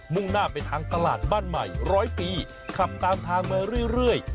่งหน้าไปทางตลาดบ้านใหม่ร้อยปีขับตามทางมาเรื่อย